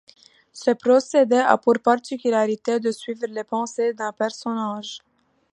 Ce procédé a pour particularité de suivre les pensées d'un personnage.